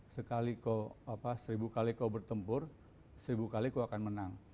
sekali seribu kali kau bertempur seribu kali kau akan menang